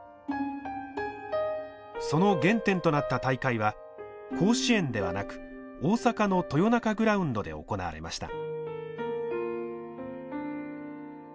その原点となった大会は甲子園ではなく大阪の豊中グラウンドで行われました。